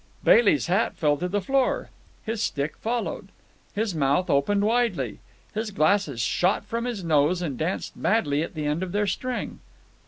Bailey's hat fell to the floor. His stick followed. His mouth opened widely. His glasses shot from his nose and danced madly at the end of their string.